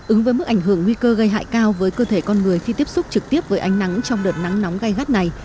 ứng với mức ảnh hưởng nguy cơ gây hại cao với cơ thể con người khi tiếp xúc trực tiếp với ánh nắng trong đợt nắng nóng gai gắt này